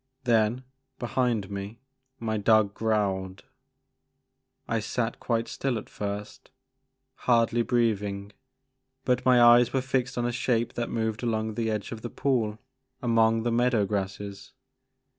Then, behind me, my dog growled. I sat quite still at first, hardly breathing, but my eyes were fixed on a shape that moved along the edge of the pool among the meadow grasses.